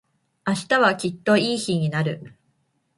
明日はきっといい日になる。